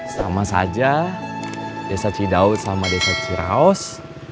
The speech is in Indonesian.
sama saja desa cidaud sama desa ciraos